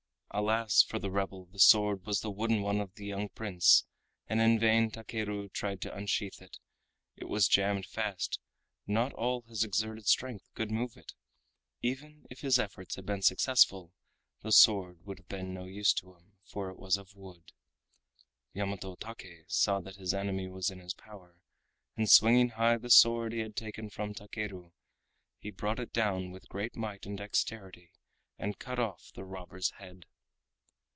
Alas! for the rebel the sword was the wooden one of the young Prince and in vain Takeru tried to unsheathe it—it was jammed fast, not all his exerted strength could move it. Even if his efforts had been successful the sword would have been of no use to him for it was of wood. Yamato Take saw that his enemy was in his power, and swinging high the sword he had taken from Takeru he brought it down with great might and dexterity and cut off the robber's head.